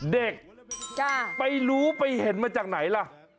เด็กไปรู้ไปเห็นมาจากไหนล่ะ